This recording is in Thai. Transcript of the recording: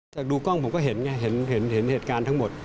จากดูกล้องผมก็เห็นไงเห็นเหตุการณ์ทั้งหมด